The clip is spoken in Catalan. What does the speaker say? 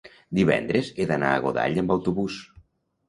divendres he d'anar a Godall amb autobús.